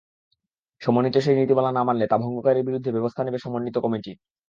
সমন্বিত সেই নীতিমালা না মানলে তা ভঙ্গকারীর বিরুদ্ধে ব্যবস্থা নেবে সমন্বিত কমিটি।